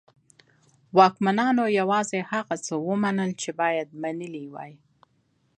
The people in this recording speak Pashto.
واکمنانو یوازې هغه څه ومنل چې باید منلي وای.